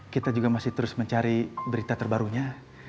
kita juga masih terus mencari berita terbarunya